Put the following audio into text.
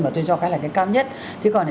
mà tôi cho cái là cái cao nhất thế còn